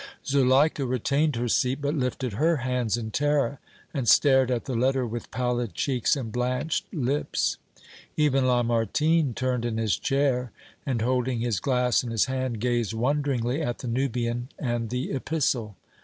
Zuleika retained her seat, but lifted her hands in terror and stared at the letter with pallid cheeks and blanched lips. Even Lamartine turned in his chair and, holding his glass in his hand, gazed wonderingly at the Nubian and the epistle. M.